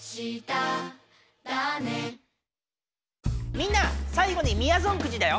みんな最後にみやぞんくじだよ。